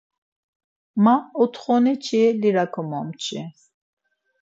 Ma otxoneçi lira komomçi.